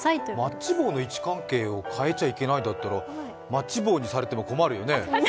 マッチ棒の位置関係を変えちゃいけないだったらマッチ棒にされても困るよね？